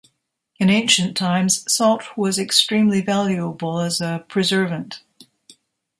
In ancient times, salt was extremely valuable as a preservant.